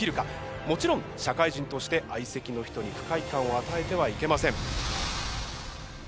もちろん社会人として相席の人に不快感を与えてはいけません。